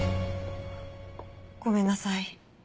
ごめんなさい。